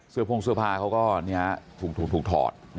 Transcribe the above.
เสื้อผงเสื้อผ้าเขาก็ถูกถอด